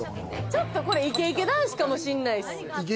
ちょっとこれ、イケイケ男子かもしれないっす。